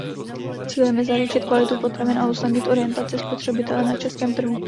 Cílem je zaručit kvalitu potravin a usnadnit orientaci spotřebitele na českém trhu.